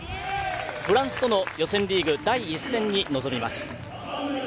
フランスとの予選リーグ第１戦に臨みます。